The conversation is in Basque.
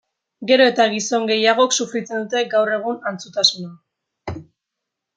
Gero eta gizon gehiagok sufritzen dute gaur egun antzutasuna.